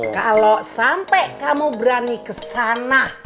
kalau sampai kamu berani ke sana